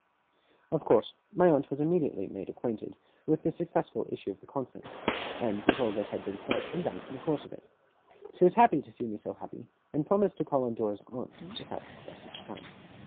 Of course my aunt was immediately made acquainted with the successful issue of the conference, and with all that had been said and done in the course of it. She was happy to see me so happy, and promised to call on Dora's aunts without loss of time.